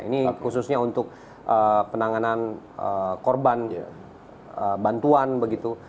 ini khususnya untuk penanganan korban bantuan begitu